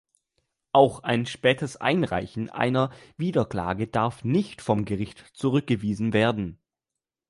Auch ein spätes Einreichen einer Widerklage darf nicht vom Gericht zurückgewiesen werden.